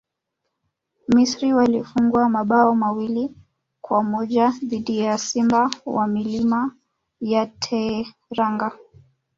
misri walifungwa mabao mawili kwa moja dhidi ya simba wa milima ya teranga